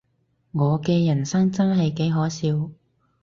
我嘅人生真係幾可笑